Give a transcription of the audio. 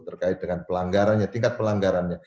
terkait dengan tingkat pelanggarannya